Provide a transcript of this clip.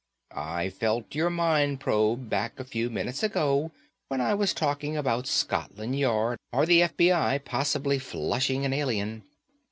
"I felt your mind probe back a few minutes ago when I was talking about Scotland Yard or the F.B.I. possibly flushing an alien.